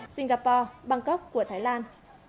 singapore bangkok của thái lan